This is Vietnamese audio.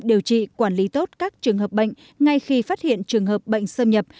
điều trị quản lý tốt các trường hợp bệnh ngay khi phát hiện trường hợp bệnh xâm nhập